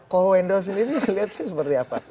ko wendo ini liatnya seperti apa